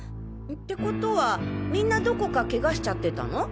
ってことはみんなどこかケガしちゃってたの？